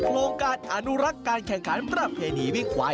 โครงการอนุรักษ์การแข่งขันประเพณีวิ่งควาย